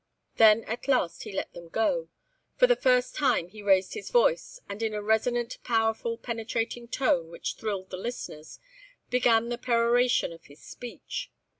Then at last he let them go. For the first time he raised his voice, and in a resonant, powerful, penetrating tone which thrilled the listeners, began the peroration of his speech.